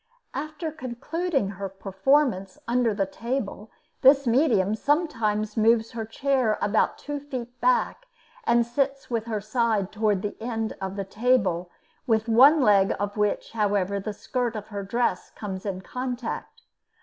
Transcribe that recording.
After concluding her performances under the table, this medium sometimes moves her chair about two feet back and sits with her side toward the end of the table, with one leg of which, however, the skirt of her dress comes in contact.